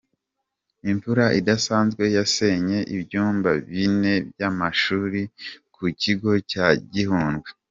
Imvura idasanzwe yasenye ibyumba bine by’amashuri ku kigo cya Gihundwe